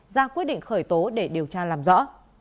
ra quyết định khởi tố để điều tra làm rõ